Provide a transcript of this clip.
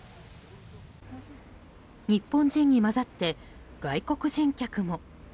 日本人に混ざって外国人客も。